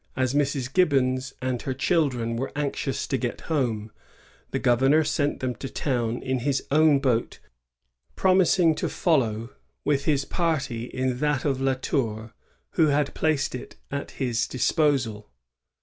As Mrs. Gibbons and her children were anxious to sfet home, the fifovemor sent item to town in his own boai promising to follow with his party in that of La Tour, who had placed it at his disposal.